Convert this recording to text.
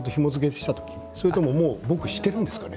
それとももう僕してるのかな。